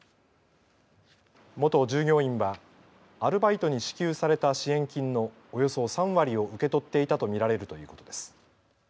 元従業員はアルバイトに支給された支援金のおよそ３割を受け取っていたとみられるということです。